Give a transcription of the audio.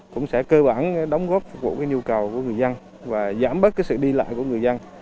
cũng sẽ cơ bản đóng góp phục vụ nhu cầu của người dân và giảm bớt cái sự đi lại của người dân